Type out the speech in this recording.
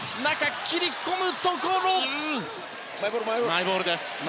マイボールです。